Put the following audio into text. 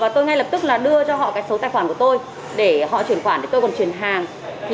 tôi ngay lập tức đưa cho họ số tài khoản của tôi để họ chuyển khoản tôi còn chuyển hàng